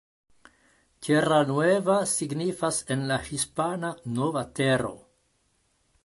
Tierra Nueva signifas en la hispana "Nova Tero".